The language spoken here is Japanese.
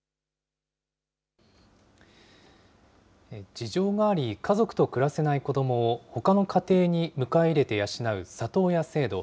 事情があり、家族と暮らせない子どもをほかの家庭に迎え入れて養う里親制度。